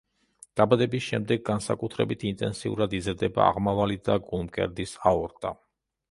დაბადების შემდეგ განსაკუთრებით ინტენსიურად იზრდება აღმავალი და გულმკერდის აორტა.